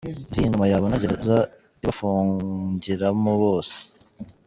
Aho iyi ngoma yabona gereza ibafungiramo bose?